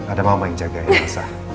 ada mama yang jagain elsa